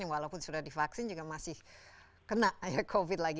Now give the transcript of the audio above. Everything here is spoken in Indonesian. walaupun sudah divaksin juga masih kena covid lagi